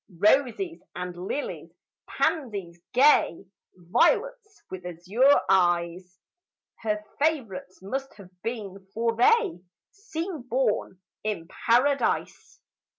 Roses and lilies, pansies gay, Violets with azure eyes, Her favorites must have been, for they Seem born in paradise.